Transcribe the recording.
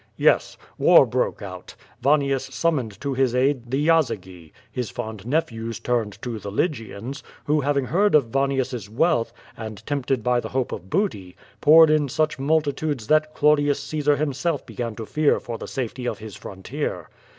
"Yes. War broke out. Vannius summoned to his aid the Yazygi; his fond nephews turned to the Lygians, who, having heard of Vannius's wealth, and tempted by the hope of booty, poured in such multitudes that Claudius Caesar himself be gan to fear for the safety of his frontier.